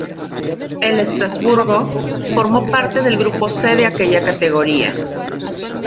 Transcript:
El Estrasburgo formó parte del grupo C de aquella categoría.